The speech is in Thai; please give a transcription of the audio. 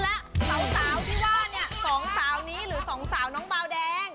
สาวสาวที่ว่าสองสาวนี้สองสาวน้องก้าวดาง